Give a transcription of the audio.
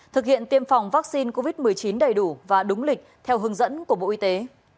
thực hiện tiêm phòng vaccine covid một mươi chín đầy đủ và đúng lịch theo hướng dẫn của bộ y tế